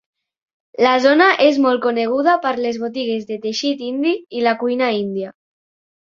La zona és molt coneguda per les botigues de teixit indi i la cuina índia.